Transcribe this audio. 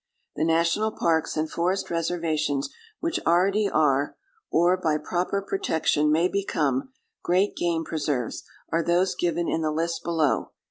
The national parks and forest reservations which already are, or by proper protection may become, great game preserves are those given in the list below.